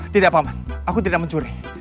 tidak paman aku tidak mencuri